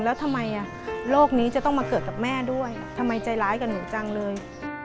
แล้วทำไมโลกนี้จะต้องมาเกิดกับแม่ด้วยทำไมใจร้ายกับหนูจังเลย